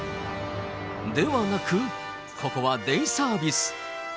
ではなく、ここはデイサービス。